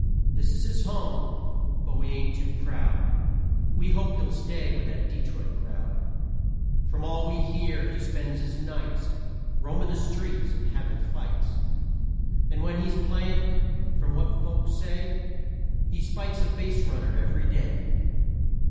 This is his home, but we ain't too proud. We hope he'll stay with that Dee troit crowd. From all we hear, he spends his nights Roamin' the streets and havin' fights. And when he's playin', from what folks say, He spikes a baserunner every day.